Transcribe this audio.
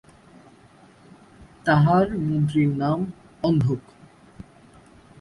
তাঁহার মন্ত্রীর নাম অন্ধক।